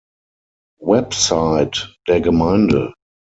Website der Gemeinde